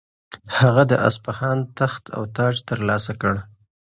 هغه د اصفهان تخت او تاج ترلاسه کړ.